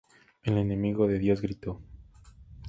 El enemigo de Dios gritó.